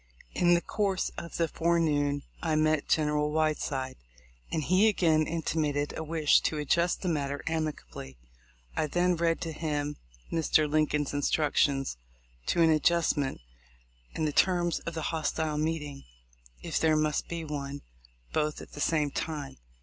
In the course of the forenoon I met General Whiteside, and he again intimated a wish to adjust the matter amicably. I then read to him Mr. Lin coln's instructions to an adjustment, and the terms of the hostile meeting, if there must be one, both at the same time.